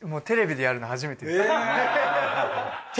テレビでやるの初めて？